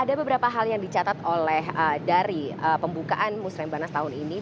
ada beberapa hal yang dicatat oleh dari pembukaan musrembanas tahun ini